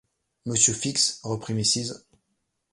Monsieur Fix, reprit Mrs.